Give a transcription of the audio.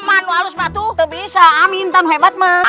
aduh ada kian santang di mana